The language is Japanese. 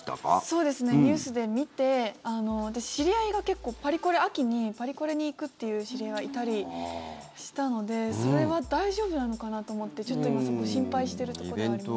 そうですねニュースで見て私、知り合いが結構秋にパリコレに行くっていう知り合いがいたりしたのでそれは大丈夫なのかなと思ってちょっと今、そこを心配してるところがありますね。